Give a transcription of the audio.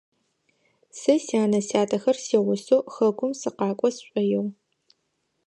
Сэ сянэ-сятэхэр сигъусэу хэкум сыкъакӏо сшӏоигъу.